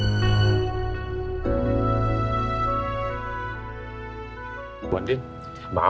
emang kamu kemana